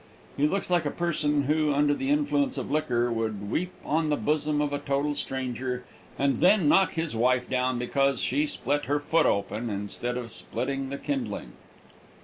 He looks like a person who, under the influence of liquor, would weep on the bosom of a total stranger and then knock his wife down because she split her foot open instead of splitting the kindling.